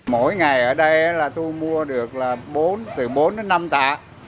mỗi ngày ở đây là thu mua được từ bốn đến năm tạ